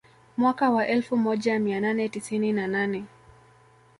Mwaka wa elfu moja mia nane tisini na nane